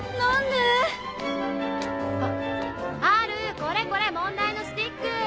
これこれ問題のスティック！